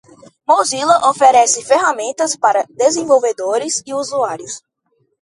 Mozilla oferece ferramentas para desenvolvedores e usuários.